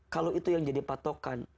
kalau itu yang jadi patokan